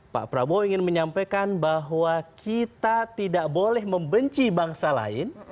pak prabowo ingin menyampaikan bahwa kita tidak boleh membenci bangsa lain